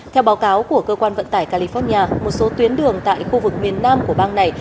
theo báo cáo của cơ quan vận tải california một số tuyến đường tại khu vực miền nam của bang này